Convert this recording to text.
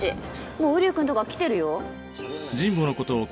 もう瓜生くんとかは来てるよ。